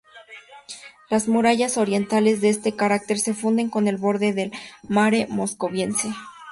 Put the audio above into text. Las murallas orientales de este cráter se funden con el borde del Mare Moscoviense.